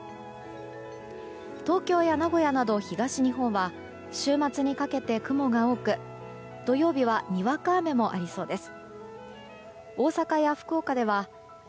東京や名古屋など東日本は週末にかけて雲が多く土曜日はにわか雨もありそうです。